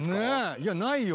いやないよ。